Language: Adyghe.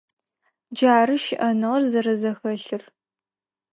Джары щыӏэныгъэр зэрэзэхэлъыр.